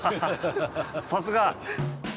さすが。